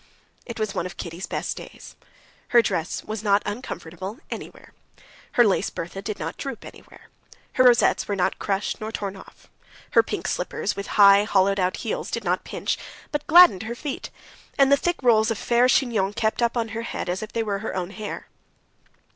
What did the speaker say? It was one of Kitty's best days. Her dress was not uncomfortable anywhere; her lace berthe did not droop anywhere; her rosettes were not crushed nor torn off; her pink slippers with high, hollowed out heels did not pinch, but gladdened her feet; and the thick rolls of fair chignon kept up on her head as if they were her own hair.